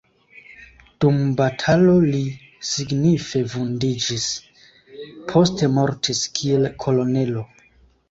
Dum batalo li signife vundiĝis, poste mortis kiel kolonelo.